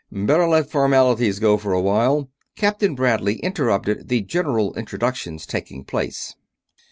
"Better let formalities go for a while," Captain Bradley interrupted the general introductions taking place.